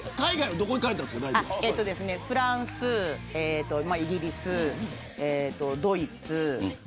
フランス、イギリス、ドイツ。